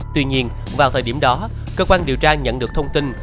tuy nhiên vào thời điểm đó cơ quan điều tra nhận được thông tin